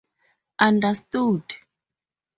Understood?